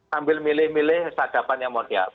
sambil milih milih sadapan yang mau dihabis